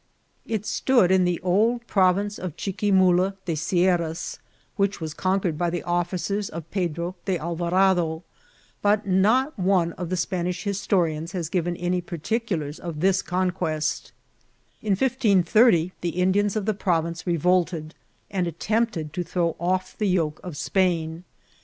It stood in the old province of Chiquimula de Sierras, which was conquered by the officers of Pedro de Alvara do, but not one of the Spanish historians has given any particulars of this oonquest In 1530 the Indians of the province revolted, and attempted to throw off the yoke of Spain.